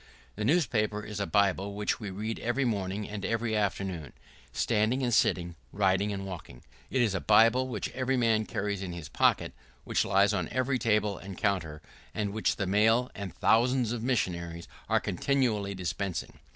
The newspaper is a Bible which we read every morning and every afternoon, standing and sitting, riding and walking. It is a Bible which every man carries in his pocket, which lies on every table and counter, and which the mail, and thousands of missionaries, are continually dispersing.